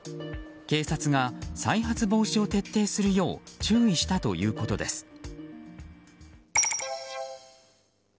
警察が再発防止を徹底するよう注意したということです。